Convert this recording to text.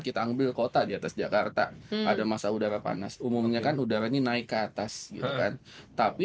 dianggap kota di atas jakarta ada masa udara panas umumnya kan udara ini naik ke atas tapi